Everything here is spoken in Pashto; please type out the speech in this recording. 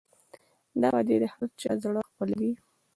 دا وعدې د هر چا زړه خپلوي.